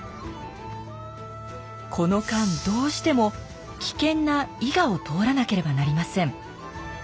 この間どうしても危険な伊賀を通らなければなりません